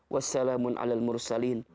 wassalamun ala al mursalin